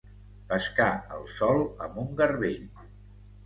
Pescar el sol amb un garbell.